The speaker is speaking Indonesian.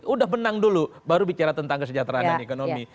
udah menang dulu baru bicara tentang kesejahteraan dan ekonomi